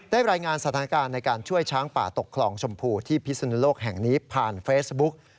รายงานสถานการณ์ในการช่วยช้างป่าตกคลองชมพูที่พิศนุโลกแห่งนี้ผ่านเฟซบุ๊ก